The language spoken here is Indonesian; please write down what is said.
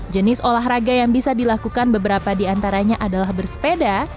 jenis olahraga yang bisa dilakukan beberapa di antaranya adalah bersepeda